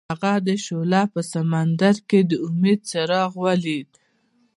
هغه د شعله په سمندر کې د امید څراغ ولید.